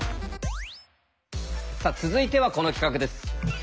さあ続いてはこの企画です。